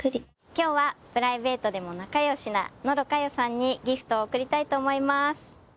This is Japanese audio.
今日はプライベートでも仲良しな野呂佳代さんにギフトを贈りたいと思います。